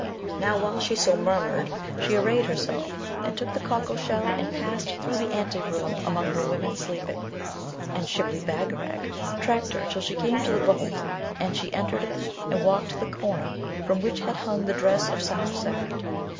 Now, while she so murmured she arrayed herself, and took the cockle shell, and passed through the ante room among her women sleeping; and Shibli Bagarag tracked her till she came to the vault; and she entered it and walked to the corner from which had hung the dress of Samarcand.